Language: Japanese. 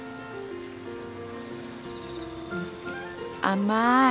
甘い！